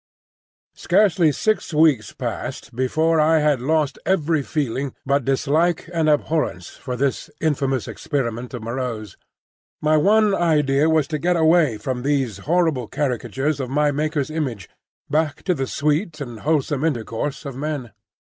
Scarcely six weeks passed before I had lost every feeling but dislike and abhorrence for this infamous experiment of Moreau's. My one idea was to get away from these horrible caricatures of my Maker's image, back to the sweet and wholesome intercourse of men.